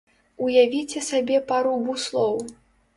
Уявіце сабе пару буслоў.